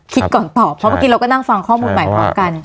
คิดก่อนตอบเพราะเมื่อกี้เราก็นั่งฟังข้อมูลใหม่พร้อมกัน